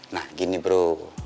nah gini bro